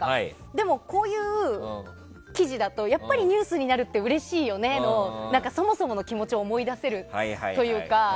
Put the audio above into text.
でも、こういう記事だとやっぱりニュースになるってうれしいよねっていうそもそもの気持ちを思い出せるというか。